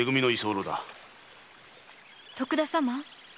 徳田様？